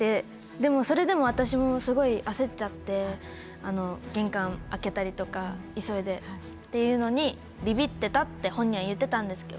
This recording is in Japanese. でそれで私もすごい焦っちゃって玄関開けたりとか急いでっていうのにびびってたって本人は言ってたんですけど。